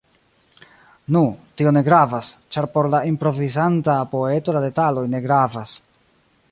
Nu, tio ne gravas, ĉar por la improvizanta poeto la detaloj ne gravas.